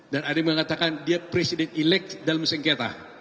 dan ada yang mengatakan dia presiden elect dalam sengketa